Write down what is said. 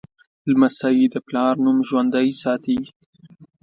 لمسی د پلار نوم ژوندی ساتي.